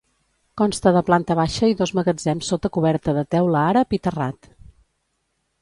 Consta de planta baixa i dos magatzems sota coberta de teula àrab i terrat.